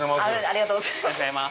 ありがとうございます。